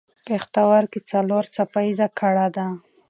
پوښتورګی څلور څپه ایزه ګړه ده.